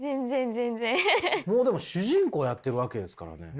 もうでも主人公をやってるわけですからね。